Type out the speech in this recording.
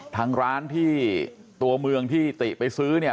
ทางร้านที่ตัวเมืองที่ติไปซื้อเนี่ย